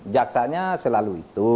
jaksanya selalu itu